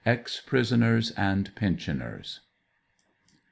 EX PRISONERS AND PENSIONERS.